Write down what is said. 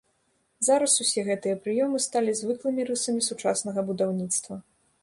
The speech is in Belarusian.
Зараз усе гэтыя прыёмы сталі звыклымі рысамі сучаснага будаўніцтва.